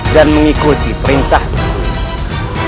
dan mengikuti perintahmu